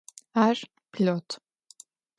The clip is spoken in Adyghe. Ар пилот.